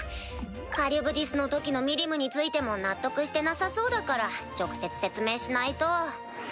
カリュブディスの時のミリムについても納得してなさそうだから直接説明しないと。